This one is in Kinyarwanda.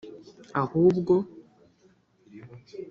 ahubwo